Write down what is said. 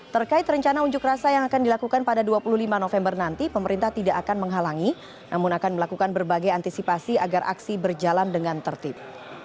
terkait rencana unjuk rasa yang akan dilakukan pada dua puluh lima november nanti pemerintah tidak akan menghalangi namun akan melakukan berbagai antisipasi agar aksi berjalan dengan tertib